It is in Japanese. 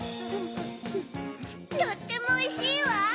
とってもおいしいわ！